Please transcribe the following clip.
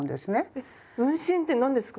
えっ運針って何ですか？